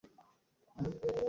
Sam, ওটা কিসের শব্দ?